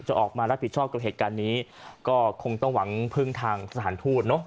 ออกมารับผิดชอบกับเหตุการณ์นี้ก็คงต้องหวังพึ่งทางสถานทูตเนอะ